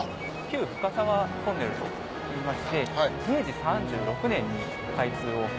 深沢トンネルといいまして明治３６年に開通を。